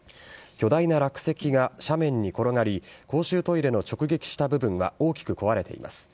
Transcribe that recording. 巨大な落石が斜面に転がり、公衆トイレの直撃した部分は大きく壊れています。